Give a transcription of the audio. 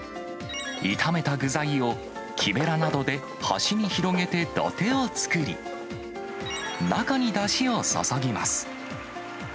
炒めた具材を木べらなどで端に広げて土手を作り、中にだしを注ぎます。